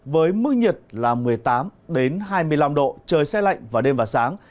với mức nhiệt là một mươi tám hai mươi năm độ trời rét lạnh và đêm và sáng